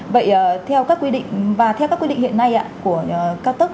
vậy theo các quy định và theo các quy định hiện nay ạ của cao tốc